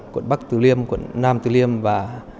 quận bắc từ liêm quận nam từ liêm và